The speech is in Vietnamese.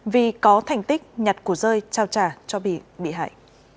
vì có thành tích nhặt của rơi trao trả cho bị hại